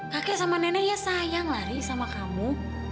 kakek sama nenek ya sayang lari sama kamu